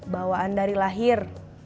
bawaan dari lahir